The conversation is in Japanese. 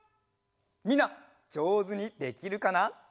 みんなじょうずにできるかな？